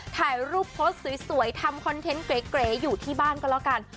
ถ่ายรูปโพสต์สวยทำคอนเทนต์เก๋อยู่ที่บ้านก็แล้วกัน